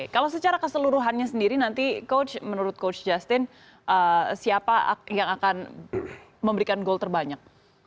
kalau secara keseluruhannya sendiri nanti menurut coach justin siapa yang akan memberikan gol terbanyak